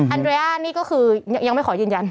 อันเรียนี่ก็คือยังไม่ขอยืนยัน